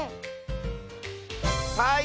はい！